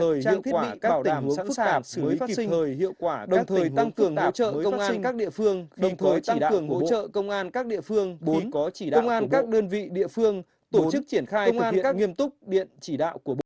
trang thiết bị bảo đảm sẵn sàng xử lý phát sinh đồng thời tăng cường hỗ trợ công an các địa phương đồng thời tăng cường hỗ trợ công an các địa phương bốn công an các đơn vị địa phương tổ chức triển khai thực hiện nghiêm túc điện chỉ đạo của bộ